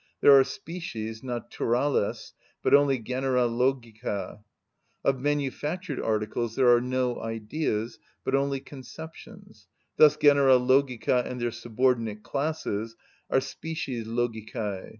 There are _species __ naturales_, but only genera logica. Of manufactured articles there are no Ideas, but only conceptions; thus genera logica, and their subordinate classes are species logicæ.